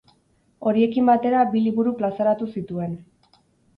Horiekin batera bi liburu plazaratu zituen.